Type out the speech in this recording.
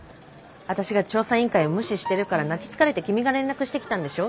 私が調査委員会を無視してるから泣きつかれて君が連絡してきたんでしょ？